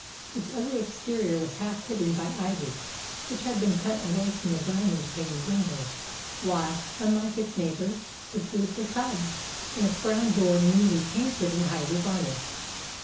Its ugly exterior was half hidden by ivy, which had been cut away from the diamond paned windows; while, unlike its neighbours, its roof was tiled and its brown door newly painted and highly varnished.